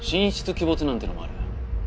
鬼没なんてのもある。